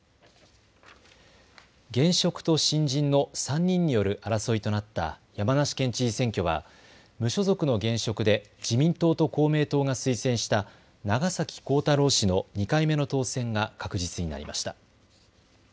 現職と新人の３人による争いとなった山梨県知事選挙は無所属の現職で自民党と公明党が推薦した長崎幸太郎氏の２回目の当選が確実になりました。